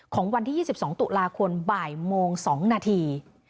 วันที่๒๒ตุลาคมบ่ายโมง๒นาที